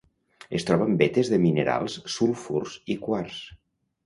Es troba en vetes de minerals sulfurs i quars.